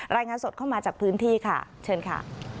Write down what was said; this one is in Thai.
รายงานสดเข้ามาจากพื้นที่ค่ะเชิญค่ะ